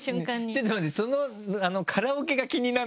ちょっと待ってその。